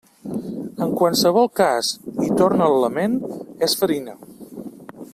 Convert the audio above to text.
En qualsevol cas, i torna el lament, és farina.